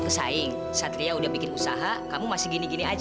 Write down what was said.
kalau satu langkah bisa moetulous